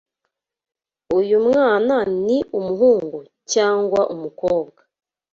Uyu mwana ni umuhungu cyangwa umukobwa?